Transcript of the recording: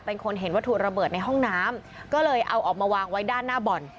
เป็นคนเห็นวัตถุระเบิดในห้องน้ำก็เลยเอาออกมาวางไว้ด้านหน้าบ่อน